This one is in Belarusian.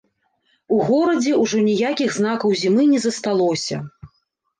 У горадзе ўжо ніякіх знакаў зімы не засталося.